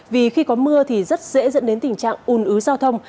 vì khi có mưa thì rất dễ dẫn đến tình trạng ùn ứa giao thông